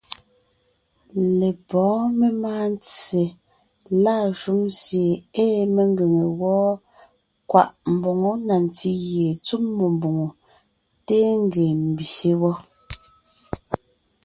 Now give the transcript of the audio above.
Lepɔ́ɔn memáa ntse lâ shúm sie ée mengʉ̀ŋe wó kwaʼ mboŋó na ntí gie tsɔ́ mmó mbòŋo téen ńgee ḿbyé wɔ́,